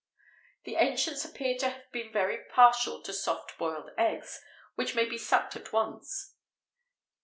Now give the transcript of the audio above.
[XVIII 78] The ancients appear to have been very partial to soft boiled eggs, which may be sucked at once.